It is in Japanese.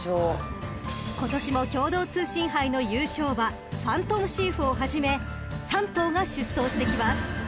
［今年も共同通信杯の優勝馬ファントムシーフを始め３頭が出走してきます］